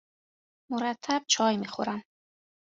مرتب چای میخورم